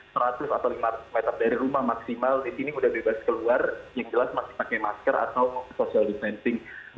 maka di sini sudah bebas keluar yang jelas masih pakai masker atau social defencing